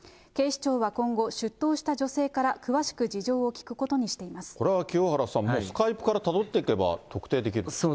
警視庁は今後、出頭した女性から詳しく事情を聴くことにしていまこれは清原さん、もうスカイプからたどっていけば、特定できると。